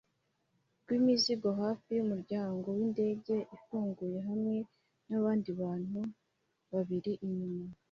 rwimizigo hafi yumuryango windege ifunguye hamwe nabandi bantu babiri inyuma